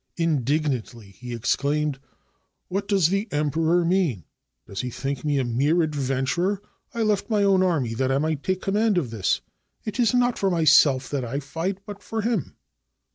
Indignantly he exclaimed, — "What does the Emperor mean? Does he think me a mere adventurer? I left my own army that I might take command of his. It is not for myself that I fight, but for him."